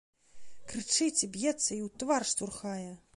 Крычыць, і б'ецца, і ў твар штурхае.